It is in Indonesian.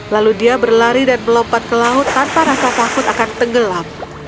lalu dia berlari dan melompat ke laut tanpa rasa takut akan tenggelam